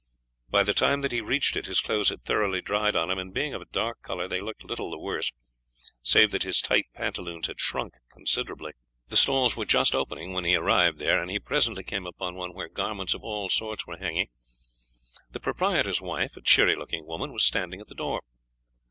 By the time that he reached it his clothes had thoroughly dried on him, and being of a dark colour they looked little the worse, save that his tight pantaloons had shrunk considerably. The stalls were just opening when he arrived there, and he presently came upon one where garments of all sorts were hanging. The proprietor's wife, a cheery looking woman, was standing at the door.